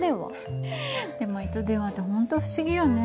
でも糸電話って本当不思議よね。